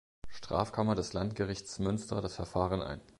Strafkammer des Landgerichts Münster das Verfahren ein.